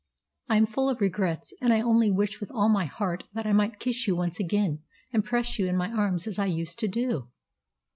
I am full of regrets, and I only wish with all my heart that I might kiss you once again, and press you in my arms as I used to do.